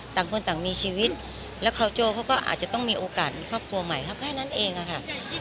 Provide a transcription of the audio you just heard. ต่างคนต่างมีชีวิตแล้วคาวโจ้เขาก็อาจจะต้องมีโอกาสมีครอบครัวใหม่ครับแค่นั้นเองอะค่ะ